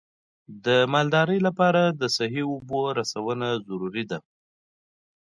د مالدارۍ لپاره د صحي اوبو رسونه ضروري ده.